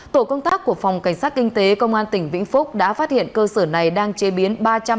tổ công tác của phòng cảnh sát kinh tế công an tỉnh vĩnh phúc đã phát hiện cơ sở này đang chế biến